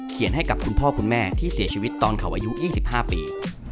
ให้กับคุณพ่อคุณแม่ที่เสียชีวิตตอนเขาอายุ๒๕ปี